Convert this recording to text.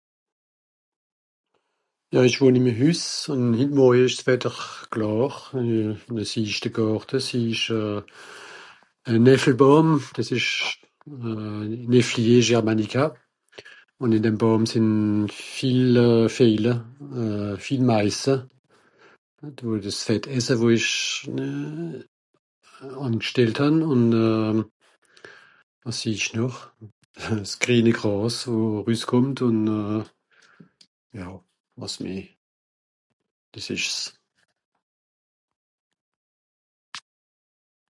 Ja ìch wohn ìme Hüs, ùn hitt morje ìsch s'Wetter klàr, (...) de Gàrte es ìsch e Neffelbaum, dìs ìsch euh... Neflier Germanica. Ùn ìn dem Baum sìnn viel euh... Veejle, viel Meise. (...) Ùn euh... wàs ìsch noch, wàs grìeni Gràs, wo rüskùmmt ùn euh... Jà... wàs meh ? Dìs ìsch's.